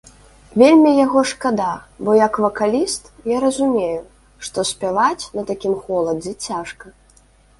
Вельмі яго шкада, бо як вакаліст, я разумею, што спяваць на такім холадзе цяжка.